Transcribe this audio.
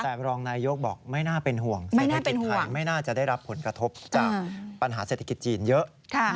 แต่รองนายยกบอกไม่น่าเป็นห่วงเศรษฐกิจไทยไม่น่าจะได้รับผลกระทบจากปัญหาเศรษฐกิจจีนเยอะ